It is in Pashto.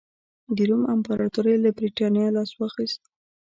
د روم امپراتورۍ له برېټانیا لاس واخیست